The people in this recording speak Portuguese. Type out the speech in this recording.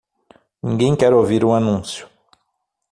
Ninguém quer ouvir o anúncio.